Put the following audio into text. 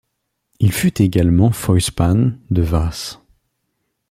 Il fut également főispán de Vas.